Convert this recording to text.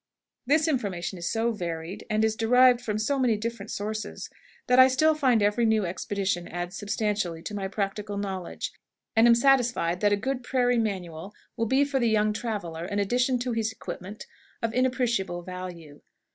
This information is so varied, and is derived from so many different sources, that I still find every new expedition adds substantially to my practical knowledge, and am satisfied that a good Prairie Manual will be for the young traveler an addition to his equipment of inappreciable value.